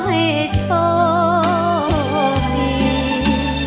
หัวใจเหมือนไฟร้อน